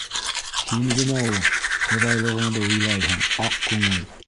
Һин генә ул хоҙайлығыңды уйлайһың, аҡ күңел.